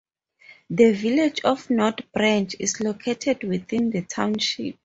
The Village of North Branch is located within the township.